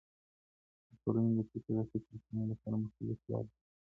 د ټولنې د فقر د کچې د څېړنې لپاره مختلفې لارې شته.